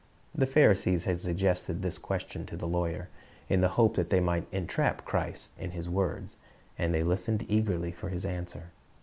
The Pharisees had suggested this question to the lawyer, in the hope that they might entrap Christ in His words, and they listened eagerly for His answer.